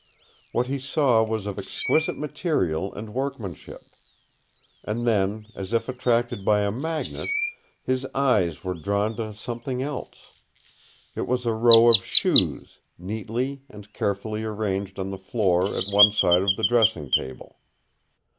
What he saw was of exquisite material and workmanship. And then, as if attracted by a magnet, his eyes were drawn to something else. It was a row of shoes neatly and carefully arranged on the floor at one side of the dressing table.